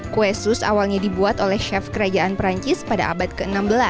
kue sus awalnya dibuat oleh chef kerajaan perancis pada abad ke enam belas